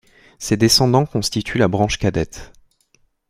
Ses descendants constituent la branche cadette.